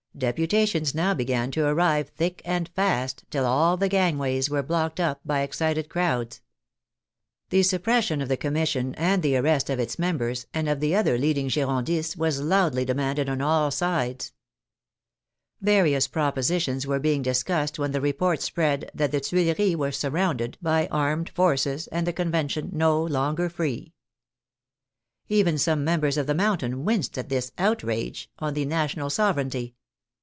Deputations now began to arrive thick and fast, till all the gangways were blocked up by excited crowds. The suppression of the Commission and the arrest of its members, and of the other leading Gi rondists, was loudly demanded on all sides. Various propositions were being discussed when the report spread 66 THE FRENCH REVOLUTION that the Tuileries were surrounded by armed forces and the Convention no longer free. Even some members of the Mountain winced at this " outrage " on the '' national sovereignty."